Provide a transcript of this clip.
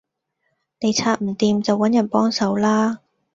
你拆唔掂就搵人幫手啦